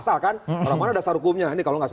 kalau mana dasar hukumnya